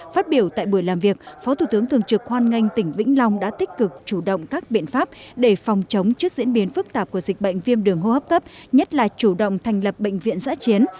phát biểu tại buổi làm việc phó thủ tướng thường trực hoan nghênh tỉnh vĩnh long đã tích cực chủ động các biện pháp để phòng chống trước diễn biến phức tạp của dịch bệnh viêm đường hô hấp cấp nhất là chủ động thành lập bệnh viện giã chiến